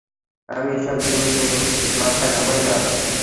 আমি এসব জিনিস নিয়ে মাথা ঘামাই না।